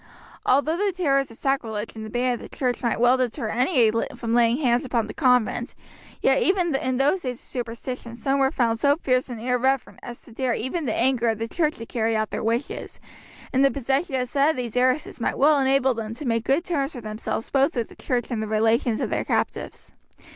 Although the terrors of sacrilege and the ban of the church might well deter any from laying hands upon the convent, yet even in those days of superstition some were found so fierce and irreverent as to dare even the anger of the church to carry out their wishes; and the possession of some of these heiresses might well enable them to make good terms for themselves both with the church and the relations of their captives.